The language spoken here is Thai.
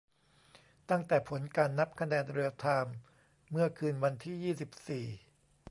ตั้งแต่ผลการนับคะแนนเรียลไทม์ เมื่อคืนวันที่ ยี่สิบสี่